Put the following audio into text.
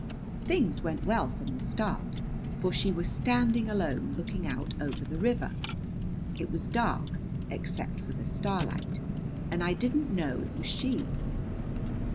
Things went well from the start, for she was standing alone, looking out over the river. It was dark, except for the starlight, and I didn't know it was she.